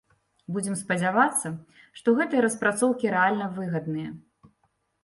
Будзем спадзявацца, што гэтыя распрацоўкі рэальна выгадныя.